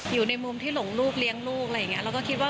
อยู่ในมุมที่หลงลูกเลี้ยงลูกก็คิดว่า